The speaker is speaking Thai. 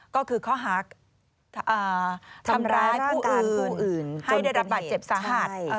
ก็คือข้อหาทำร้ายผู้อื่นให้ได้รับบาดเจ็บสาหัส